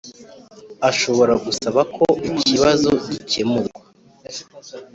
ashobora gusaba ko ikibazo gikemurwa